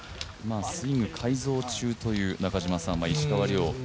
スイング改造中という石川遼。